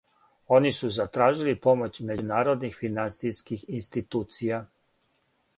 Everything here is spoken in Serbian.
Они су затражили помоћ међународних финансијских институција.